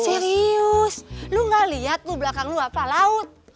serius lo gak liat lo belakang lo apa laut